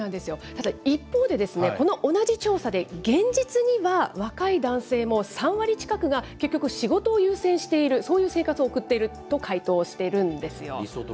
ただ一方で、この同じ調査で、現実には、若い男性も３割近くが、結局仕事を優先している、そういう生活を送っていると回答しているんですよ。